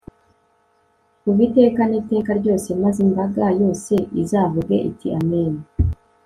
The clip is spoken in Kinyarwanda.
kuva iteka n'iteka ryose! maze imbaga yose izavuge iti amen